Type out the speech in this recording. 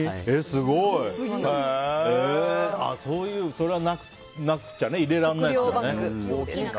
すごい。それはなくちゃ入れられないですもんね。